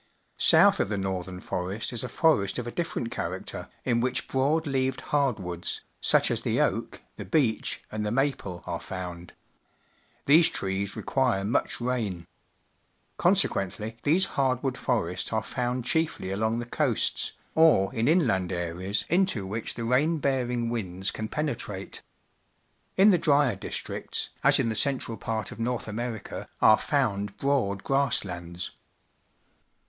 South of the northern forest is a forest of a different character, in which broad leaved hardwoods, such as the oak, the beech, and the maple, are found. These trees require Buffalo in the Rocky Mountains Park, Alberta much rain. Consequently, these hardwood forests are found chiefly along the coasts, or in inland areas into which the rain l^earing winds can penetrate. In the drier districts, as in the central part of North America, are found broad grass lands.